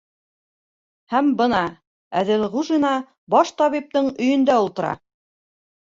...Һәм бына Әҙелғужина баш табиптың өйөндә ултыра.